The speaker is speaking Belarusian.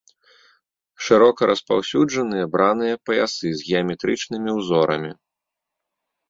Шырока распаўсюджаныя браныя паясы з геаметрычнымі ўзорамі.